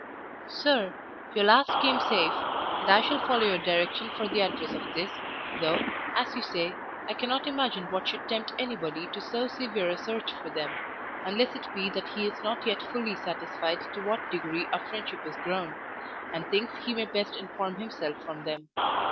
SIR, Your last came safe, and I shall follow your direction for the address of this, though, as you say, I cannot imagine what should tempt anybody to so severe a search for them, unless it be that he is not yet fully satisfied to what degree our friendship is grown, and thinks he may best inform himself from them.